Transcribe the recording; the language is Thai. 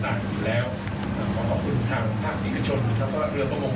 ว่าเคลื่อนสูงมากในรายงานที่มาถึง